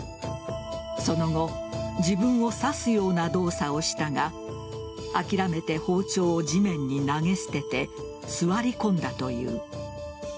その後、自分を刺すような動作をしたが諦めて包丁を地面に投げ捨てて座り込んだという。